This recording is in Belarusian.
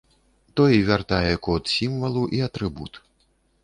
Той вяртае код сімвалу і атрыбут.